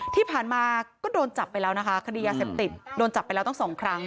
ที่ผ่านมาก็โดนจับไปแล้วนะคะคดียาเสพติดโดนจับไปแล้วตั้งสองครั้ง